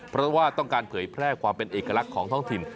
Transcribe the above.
เพราะว่าต้องการเผยแพร่ความเป็นเอกลักษณ์ของท้องถิ่น